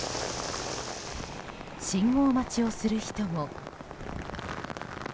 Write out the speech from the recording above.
信号待ちをする人も。